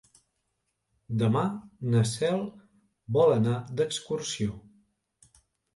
Demà na Cel vol anar d'excursió.